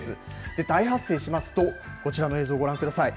大発生しますと、こちらの映像、ご覧ください。